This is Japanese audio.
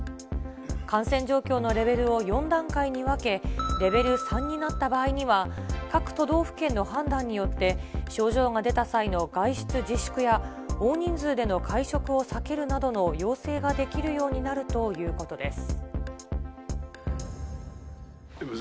感染状況のレベルを４段階に分け、レベル３になった場合には、各都道府県の判断によって、症状が出た際の外出自粛や、大人数での会食を避けるなどの要請ができるようになるということです。